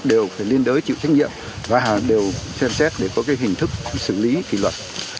đều liên đối chịu thách nhiệm và đều xem xét để có cái hình thức xử lý kỳ luật